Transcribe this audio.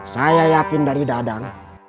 saya yakin dari dadang